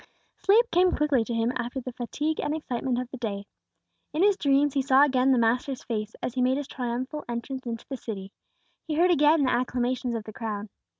Sleep came quickly to him after the fatigue and excitement of the day. In his dreams he saw again the Master's face as He made His triumphal entrance into the city; he heard again the acclamations of the crowd.